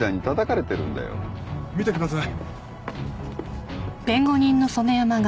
見てください。